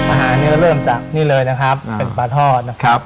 อาหารเนี่ยเริ่มจากนี่เลยนะครับเป็นปลาทอดนะครับ